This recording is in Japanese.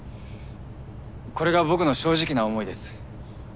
これが僕の正直な思いです。